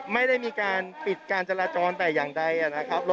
ไม่ได้มีการปิดการจราจรแต่อย่างใดนะครับ